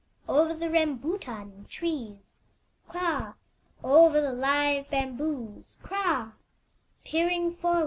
Over the rambutan trees, Kra! Over the live bamboos, Kra!